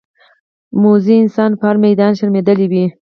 موزي انسان په هر میدان شرمېدلی وي.